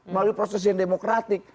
melalui proses yang demokratik